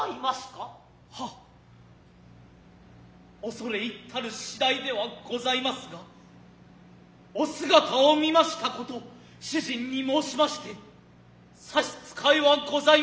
恐入つたる次第ではございますが御姿を見ました事主人に申まして差支へはございませんか。